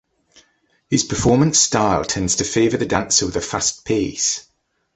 His performance style tends to favor the dancer with a fast pace.